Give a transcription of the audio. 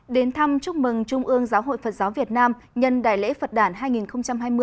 đến thăm chúc mừng trung ương giáo hội phật giáo việt nam nhân đại lễ phật đảng hai nghìn hai mươi